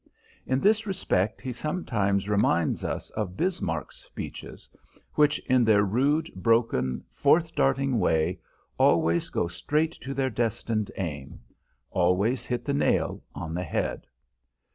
In this respect he sometimes reminds us of Bismarck's speeches, which, in their rude, broken, forth darting way, always go straight to their destined aim; always hit the nail on the head.